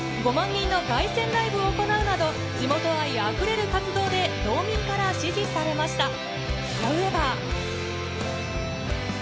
５万人の凱旋ライブを行うなど、地元愛あふれる活動で道民から支持されました。